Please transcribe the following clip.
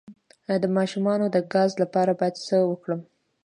د ماشوم د ګاز لپاره باید څه وکړم؟